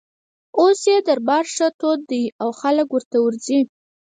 اوس یې دربار ښه تود دی او خلک ورته ورځي.